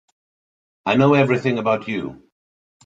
I know everything about you.